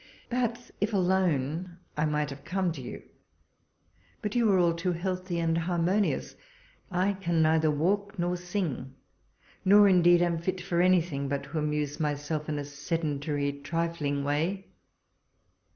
Perhaps, if alone, I might have come to you ; but you are all too healthy and harmonious. I can neither walk nor sing ; nor, indeed, am fit for anything but to amuse myself in a sedentary trifling way.